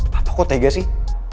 papa kok tega sih